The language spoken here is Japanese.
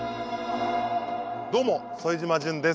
どうも副島淳です。